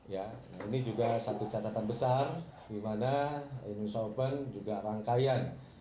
ya ini juga satu catatan besar di mana indonesia open juga rangkaian